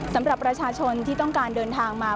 สำหรับประชาชนที่ต้องการเดินทางมา